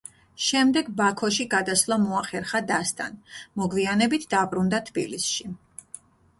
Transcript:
შემდეგ ბაქოში გადასვლა მოახერხა დასთან; მოგვიანებით დაბრუნდა თბილისში.